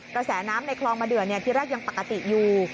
กระแสน้ำในคลองมาเดือดที่แรกยังปกติอยู่